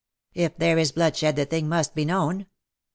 ^^" If there is bloodshed the thing must be knowu.